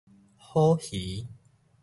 虎魚